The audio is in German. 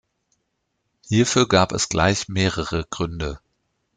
Hierfür gab es gleich mehrere Gründe.